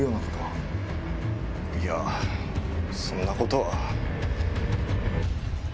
いやそんなことは。